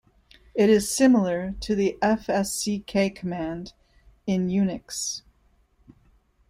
It is similar to the fsck command in Unix.